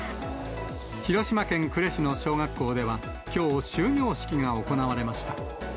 広島県呉市の小学校では、きょう、終業式が行われました。